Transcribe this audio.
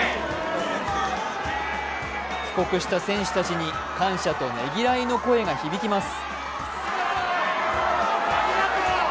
帰国した選手たちに感謝とねぎらいの声が響きます。